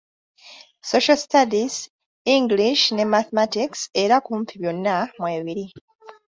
Social Studies, English ne Mathemaics era kumpi byonna mwebiri.